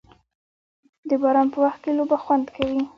د باران په وخت کې لوبه خوند کوي.